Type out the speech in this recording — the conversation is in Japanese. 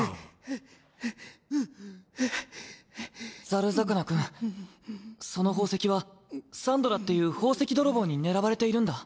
ザル魚君その宝石はサンドラっていう宝石泥棒に狙われているんだ。